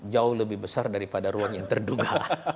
jauh lebih besar daripada ruang yang terduga